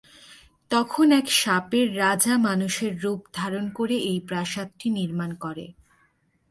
তখন এক সাপের রাজা মানুষের রূপ ধারণ করে এই প্রাসাদটি নির্মাণ করে।